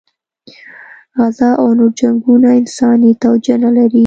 غزه او نور جنګونه انساني توجیه نه لري.